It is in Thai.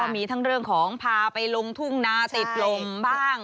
มีทั้งเรื่องของพาไปลงทุ่งนาติดลมบ้าง